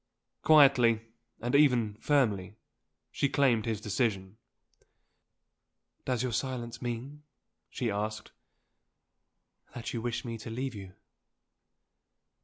Quietly, and even firmly, she claimed his decision. "Does your silence mean," she asked, "that you wish me to leave you?"